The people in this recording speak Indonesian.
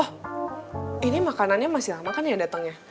oh ini makanannya masih lama kan ya datangnya